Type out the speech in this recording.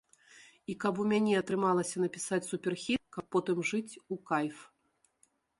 І каб у мяне атрымалася напісаць суперхіт, каб потым жыць у кайф.